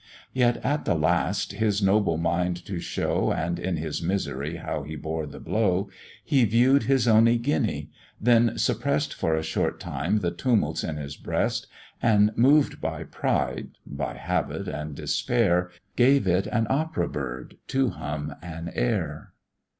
Yet, at the last, his noble mind to show, And in his misery how he bore the blow, He view'd his only guinea, then suppress'd, For a short time, the tumults in his breast, And mov'd by pride, by habit, and despair, Gave it an opera bird to hum an air.